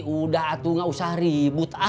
udah tuh gak usah ribut